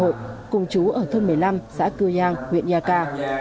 hoàng văn hộ cùng chú ở thôn một mươi năm xã cư giang huyện iaca